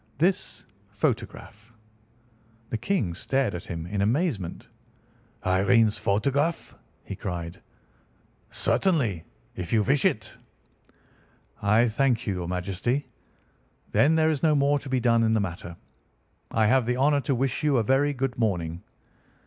"This photograph!" The King stared at him in amazement. "Irene's photograph!" he cried. "Certainly, if you wish it." "I thank your Majesty. Then there is no more to be done in the matter. I have the honour to wish you a very good morning."